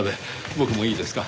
僕もいいですか？